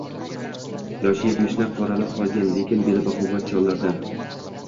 Yoshi yetmishni qoralab qolg‘an, lekin beli baquvvat chollardan